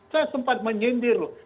saya sempat menyindir